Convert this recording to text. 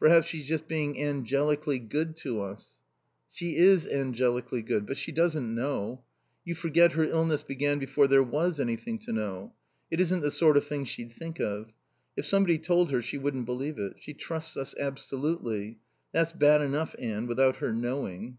Perhaps she's just being angelically good to us." "She is angelically good. But she doesn't know. You forget her illness began before there was anything to know. It isn't the sort of thing she'd think of. If somebody told her she wouldn't believe it. She trusts us absolutely.... That's bad enough, Anne, without her knowing."